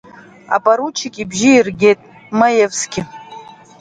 Апоручик, ибжьы иргеит Маевски.